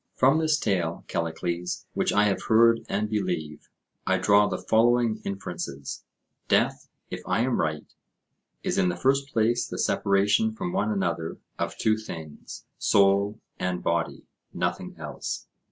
From this tale, Callicles, which I have heard and believe, I draw the following inferences:—Death, if I am right, is in the first place the separation from one another of two things, soul and body; nothing else.